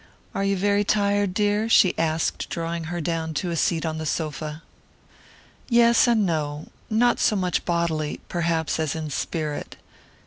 "Are you very tired, dear?" she asked drawing her down to a seat on the sofa. "Yes, and no not so much bodily, perhaps, as in spirit."